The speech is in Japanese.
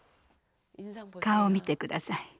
顔を見て下さい。